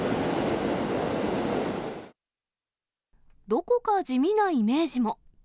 どこか地味なイメージも。